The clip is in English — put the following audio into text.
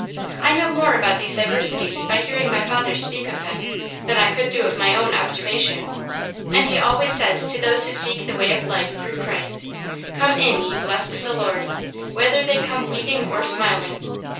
I know more about these diversities by hearing my father speak of them, than I could do of my own observation, and he always says to those who seek the way of life through Christ, ' Come in ye blessed of the Lord !* whether they come weeping or smiling.